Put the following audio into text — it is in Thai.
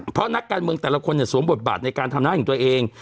เพราะนักการเมืองแต่ละคนเนี่ยสวมบทบาทในการทำหน้าของตัวเอง